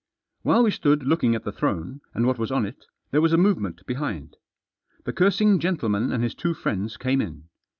While we stood looking at the throne, and what was on it, there was a movement behind. The cursing gentleman and his two friends came in.